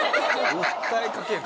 訴えかける？